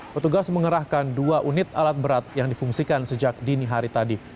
petugas mengerahkan dua unit alat berat yang difungsikan sejak dini hari tadi